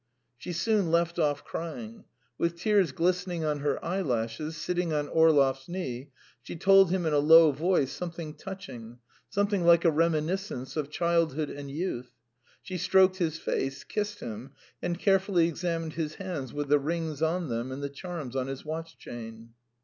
She soon left off crying. With tears glistening on her eyelashes, sitting on Orlov's knee, she told him in a low voice something touching, something like a reminiscence of childhood and youth. She stroked his face, kissed him, and carefully examined his hands with the rings on them and the charms on his watch chain.